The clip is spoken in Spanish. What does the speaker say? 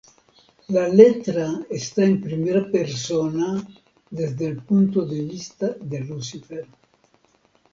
La letra está en primera persona desde el punto de vista de Lucifer.